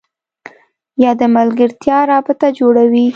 یا د ملګرتیا رابطه جوړوي